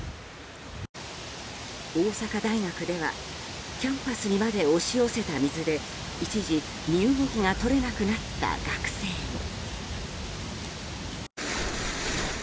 大阪大学ではキャンパスにまで押し寄せた水で一時、身動きが取れなくなった学生も。